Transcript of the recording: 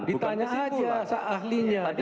ditanya saja se ahlinya